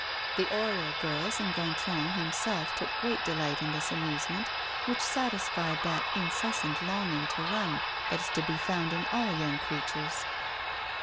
The Oriol girls and Gontran himself took great delight in this amusement, which satisfied that incessant longing to run that is to be found in all young creatures.